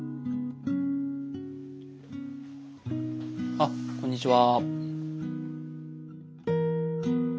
あっこんにちは。